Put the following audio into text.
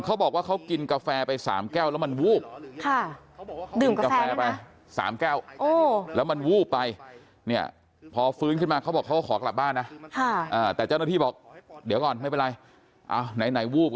เขาบอกว่าเขากินกาแฟไป๓แก้วแล้วมันวูบ